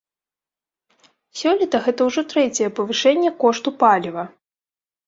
Сёлета гэта ўжо трэцяе павышэнне кошту паліва.